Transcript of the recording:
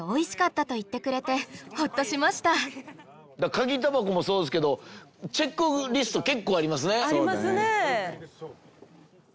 嗅ぎタバコもそうですけどチェックリスト結構ありますね。ありますね。